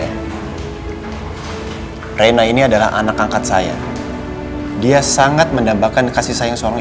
hai reina ini adalah anak angkat saya dia sangat mendapatkan kasih sayang seorang